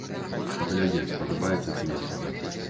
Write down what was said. Паглядзім, спадабаецца ці не.